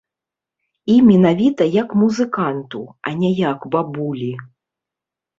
І менавіта як музыканту, а не як бабулі.